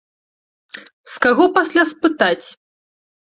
З каго пасля спытаць?